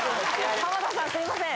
浜田さんすいません。